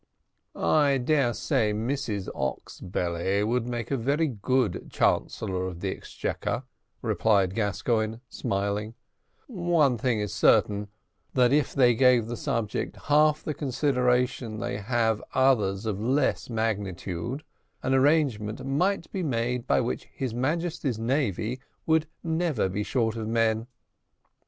"I dare say Mrs Oxbelly would make a very good Chancellor of the Exchequer," replied Gascoigne, smiling; "one thing is certain, that if they gave the subject half the consideration they have others of less magnitude, an arrangement might be made by which his Majesty's navy would never be short of men."